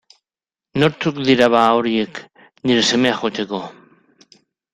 Nortzuk dira, bada, horiek, nire semea jotzeko?